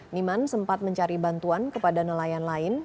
niman sempat mencari bantuan kepada nelayan lain